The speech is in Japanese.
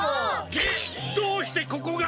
げっどうしてここが！